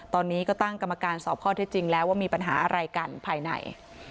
ตอนนี้ก็ตั้งกรรมการสอบข้อเท็จจริงแล้วว่ามีปัญหาอะไรกันภายใน